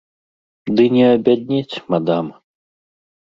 Ды не абяднець, мадам!